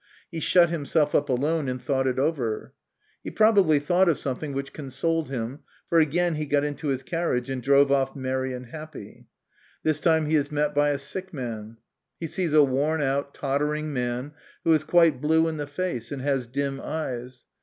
He shut him self up alone and thought it over. He probably thought of something which consoled him, for again he got into his carriage and drove off merry and happy. This time he is met by a sick man. He sees a worn out, tottering man, who is quite blue in the face, and has dim eyes.